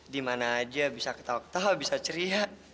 di mana aja bisa ketawa ketawa bisa ceria